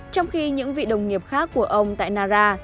trong khi những vị đồng nghiệp khác của ông tại nara